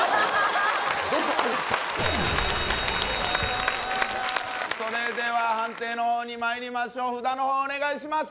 どうもありがとうございましたそれでは判定のほうにまいりましょう札のほうお願いします